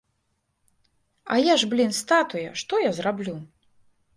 А я ж, блін, статуя, што я зраблю?